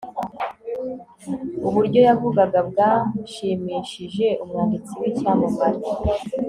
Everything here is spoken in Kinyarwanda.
uburyo yavugaga bwashimishije umwanditsi w'icyamamare